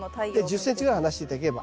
１０ｃｍぐらい離して頂ければ。